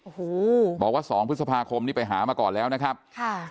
โอ้โหบอกว่าสองพฤษภาคมนี่ไปหามาก่อนแล้วนะครับค่ะ